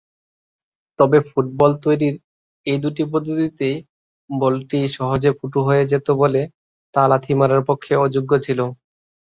তবে ফুটবল তৈরির এই দুটি পদ্ধতিতেই বলটি সহজে ফুটো হয়ে যেত ব'লে তা লাথি মারার পক্ষে অযোগ্য ছিল।